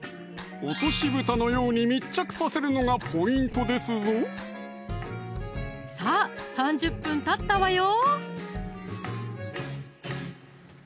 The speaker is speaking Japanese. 落としぶたのように密着させるのがポイントですぞさぁ３０分たったわよ